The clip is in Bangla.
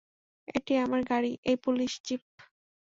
এটি আমার গাড়ি এই পুলিশ জীপ?